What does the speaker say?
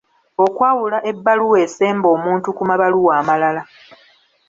Okwawula ebbaluwa esemba omuntu ku mabaluwa amalala.